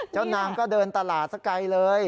นางก็เดินตลาดสักไกลเลย